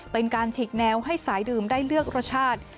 เป็นการฉีกแนวให้สายดื่มได้เลือกรสชาติ